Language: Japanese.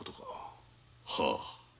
はあ。